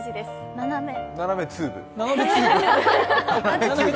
斜めツーブ。